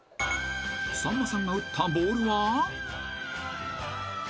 ［さんまさんが打ったボールは］